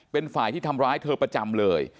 เป็นฝ่ายที่ทำร้ายเธอประจำเลย